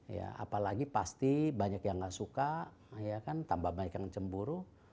ya apalagi pasti banyak yang gak suka ya kan tambah banyak yang cemburu